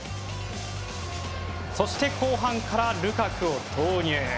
そして、後半からルカクを投入。